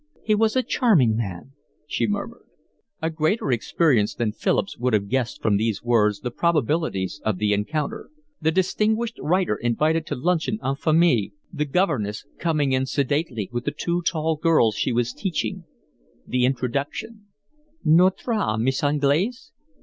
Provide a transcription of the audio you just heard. "He was a charming man," she murmured. A greater experience than Philip's would have guessed from these words the probabilities of the encounter: the distinguished writer invited to luncheon en famille, the governess coming in sedately with the two tall girls she was teaching; the introduction: "Notre Miss Anglaise."